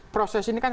proses ini kan